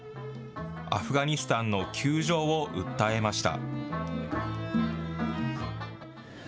アフガニスタンの窮状を訴えました。